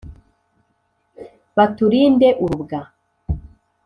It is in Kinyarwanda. Batulinde urubwa